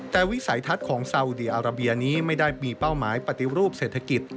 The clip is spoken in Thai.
แต่วิสัยทัศน์ของซาอุดีอาราเบียนี้ไม่ได้มีเป้าหมายปฏิรูปเศรษฐกิจ